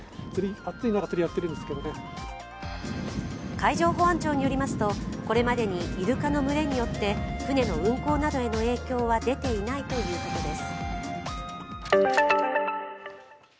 海上保安庁によりますと、これまで、いるかの群れによって船の運航などへの影響は出ていないということです。